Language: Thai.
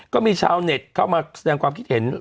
ก็มีชาวเน็ตเข้ามาแสดงความคิดเห็น